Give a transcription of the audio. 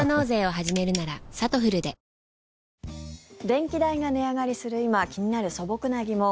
電気代が値上がりする今気になる素朴な疑問。